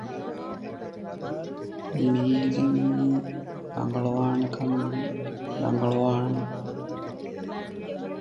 ނަވީންގެ ބައްޕަ ނިޒާރާއި ޖޫލީގެ ބައްޕަ ޖަލީލަކީ ވަރަށް ގާތް ދެރަޙްމަތްތެރިން